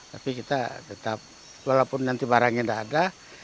tapi kita tetap walaupun nanti barangnya tidak ada